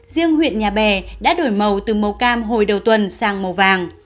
riêng huyện nhà bè đã đổi màu từ màu cam hồi đầu tuần sang màu vàng